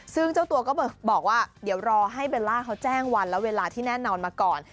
ซึ่งเจ้าตัวก็บอกว่าเดี๋ยวรอให้เบลล่าเขาแจ้งวันและเวลาที่แน่นอนมาก่อน